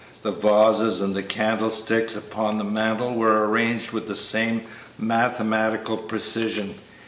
The vases and candlesticks upon the mantel were arranged with the same mathematical precision.